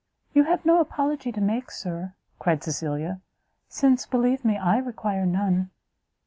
"You have no apology to make, Sir," cried Cecilia, "since, believe me, I require none."